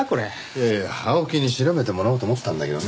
いやいや青木に調べてもらおうと思ったんだけどね